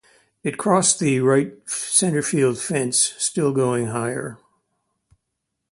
It crossed the right center field fence still going higher.